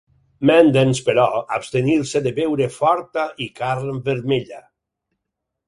Mandaeans, però, abstenir-se de beure forta i carn vermella.